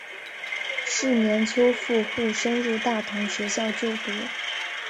是年秋赴沪升入大同学校就读。